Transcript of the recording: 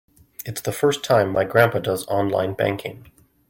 It's the first time my grandpa does online banking.